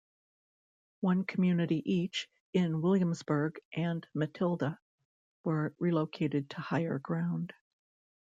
One community each in Williamsburgh and Matilda were relocated to higher ground.